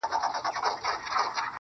o نو د وجود.